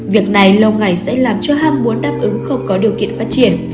việc này lâu ngày sẽ làm cho ham muốn đáp ứng không có điều kiện phát triển